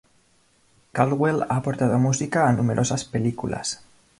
Caldwell ha aportado música a numerosas películas.